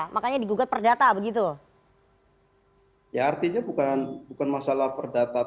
makanya digugat perdata